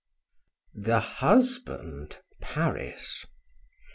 THE HUSBAND. PARIS.